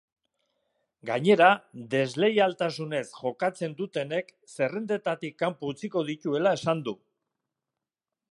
Gainera, desleialtasunez jokatzen dutenek zerrendetatik kanpo utziko dituela esan du.